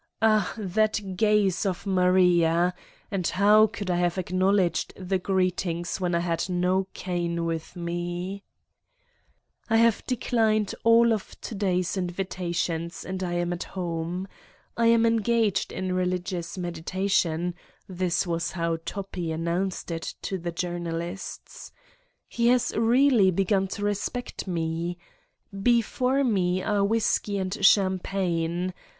Ah, that gaze of Maria ! And how could I have acknowledged the greetings when I had no cane with me I I have declined all of to day's invitations and am at home : I am engaged in '( religious medita tion" this was how Toppi announced it to the journalists. He has really begun to respect me. Before me are whiskey and champagne.